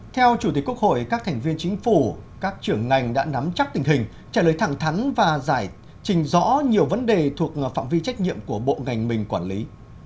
theo chủ tịch quốc hội các thành viên chính phủ các trưởng ngành đã nắm chắc tình hình trả lời thẳng thắn và giải trình rõ nhiều vấn đề thuộc phạm vi trách nhiệm của bộ ngành mình quản lý